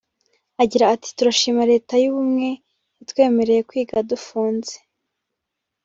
Agira ati "Turashima Leta y’ubumwe yatwemereye kwiga dufunze